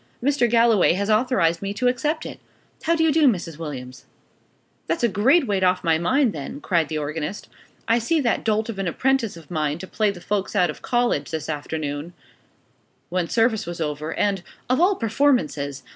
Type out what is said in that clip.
"Mr. Galloway has authorized me to accept it. How do you do, Mrs. Williams?" "That's a great weight off my mind, then!" cried the organist. "I set that dolt of an apprentice of mine to play the folks out of college, this afternoon, when service was over, and of all performances!